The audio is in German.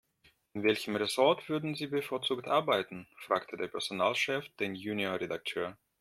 In welchem Ressort würden Sie bevorzugt arbeiten?, fragte der Personalchef den Junior-Redakteur.